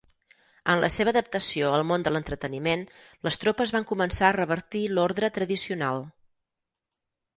En la seva adaptació al món de l'entreteniment, les tropes van començar a revertir l'ordre tradicional.